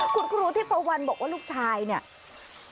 คุณครูทิพวันบอกว่าลูกชายเนี่ย